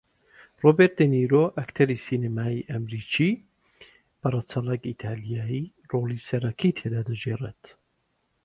رۆبێرت دێنیرۆ ئەکتەری سینەمایی ئەمریکی بە رەچەڵەک ئیتاڵی رۆڵی سەرەکی تێدا دەگێڕێت